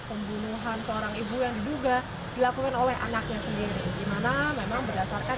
pembunuhan seorang ibu yang diduga dilakukan oleh anaknya sendiri dimana memang berdasarkan